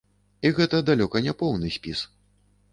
І гэта далёка не поўны спіс.